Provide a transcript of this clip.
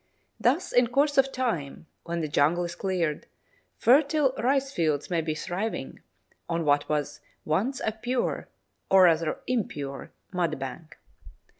Thus in course of time, when the jungle is cleared, fertile ricefields may be thriving on what was once a pure, or rather impure, mudbank.